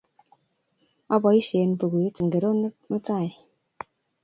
Ipoisye pukuit ingoro mutai?